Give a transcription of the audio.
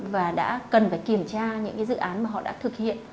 và đã cần phải kiểm tra những dự án mà họ đã thực hiện